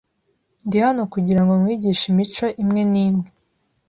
Ndi hano kugirango nkwigishe imico imwe n'imwe.